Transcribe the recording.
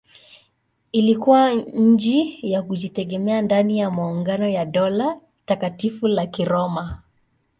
Ilikuwa nchi ya kujitegemea ndani ya maungano ya Dola Takatifu la Kiroma.